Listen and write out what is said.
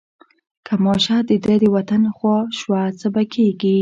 که ماشه د ده د وطن خوا شوه څه به کېږي.